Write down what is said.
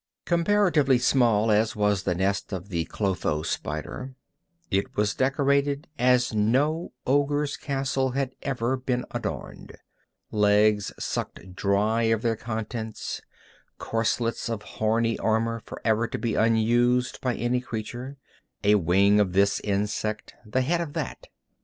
Comparatively small as was the nest of the clotho spider, it was decorated as no ogre's castle had ever been adorned legs sucked dry of their contents, corselets of horny armor forever to be unused by any creature, a wing of this insect, the head of that.